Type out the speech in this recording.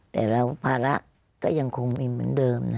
แต่ละภาระก็ยังคงมีเหมือนเดิมนะ